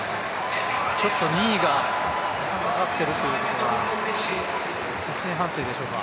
ちょっと２位が時間かかっているということは、写真判定でしょうか。